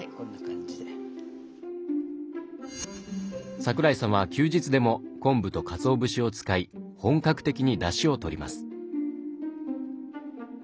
桜井さんは休日でも昆布とかつお節を使い本格的にだしをとります。